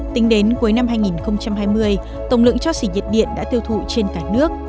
tính đến cuối năm hai nghìn hai mươi tổng lượng cho xỉ nhiệt điện đã tiêu thụ trên cả nước